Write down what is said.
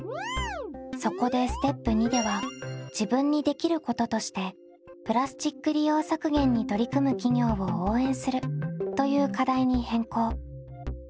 そこでステップ②では自分にできることとしてプラスチック利用削減に取り組む企業を応援するという課題に変更。